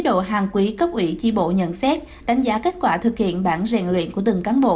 độ hàng quý cấp ủy chi bộ nhận xét đánh giá kết quả thực hiện bản rèn luyện của từng cán bộ